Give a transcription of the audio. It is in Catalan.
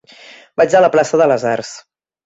Vaig a la plaça de les Arts.